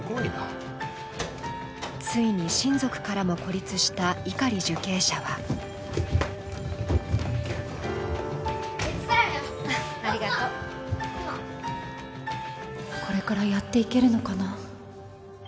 ついに親族からも孤立した碇受刑者はこれからやっていけるのかな。